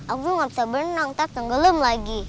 aku gak usah berenang takut tenggelam lagi